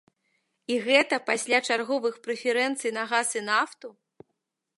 І гэта пасля чарговых прэферэнцый на газ і нафту!